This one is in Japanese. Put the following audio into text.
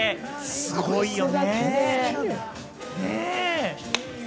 すごいよね。